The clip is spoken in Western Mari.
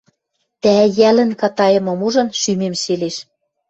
Тӓ, йӓлӹн катайымым ужын, шӱмем шелеш